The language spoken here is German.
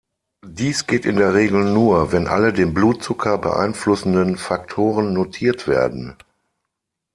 Dies geht in der Regel nur, wenn alle den Blutzucker beeinflussenden Faktoren notiert werden.